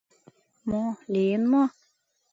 Мо... лийын мо?